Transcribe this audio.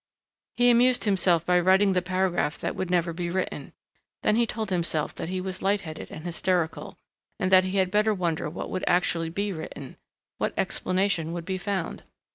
He amused himself by writing the paragraph that would never be written. Then he told himself that he was lightheaded and hysterical and that he had better wonder what would actually be written. What explanation would be found?